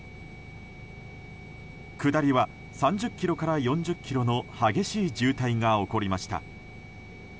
下りは、３０ｋｍから４０ｋｍの激しい渋滞が起こりました。